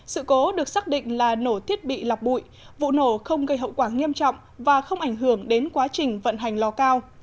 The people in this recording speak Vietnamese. sự cố được xác định là nổ thiết bị lọc bụi vụ nổ không gây hậu quả nghiêm trọng và không ảnh hưởng đến quá trình vận hành lò cao